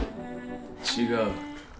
違う。